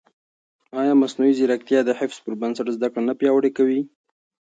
ایا مصنوعي ځیرکتیا د حفظ پر بنسټ زده کړه نه پیاوړې کوي؟